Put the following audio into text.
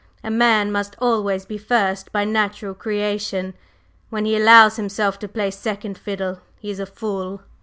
"A man must always be first by natural creation. When he allows himself to play second fiddle, he is a fool!"